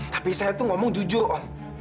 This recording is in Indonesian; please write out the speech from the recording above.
tapi saya tuh ngomong jujur om